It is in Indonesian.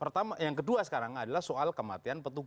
lalu kejanggalan yang kedua sekarang adalah soal kematian petunjuk